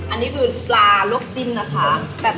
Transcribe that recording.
อันนี้คือปลาลวกจิ้มนะคะ